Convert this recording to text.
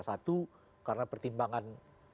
satu karena pertimbangan